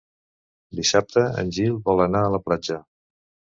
Dissabte en Gil vol anar a la platja.